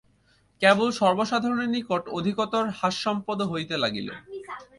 কেবল সর্বসাধারণের নিকট অধিকতর হাস্যাস্পদ হইতে লাগিল।